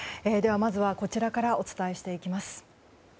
まずはこちらからお伝えしていきます。